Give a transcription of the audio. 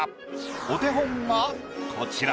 お手本がこちら。